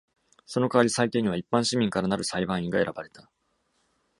その代わり、裁定には一般市民からなる「裁判員」が選ばれた。